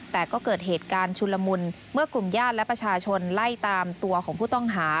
แต่ก็เกิดเหตุการณ์ชุนละมุนเมื่อกลุ่มญาติและประชาชนไล่ตามตัวของผู้ต้องหา